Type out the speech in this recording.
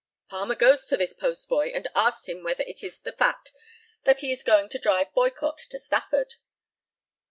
Palmer goes to this post boy, and asks him whether it is the fact that he is going to drive Boycott to Stafford?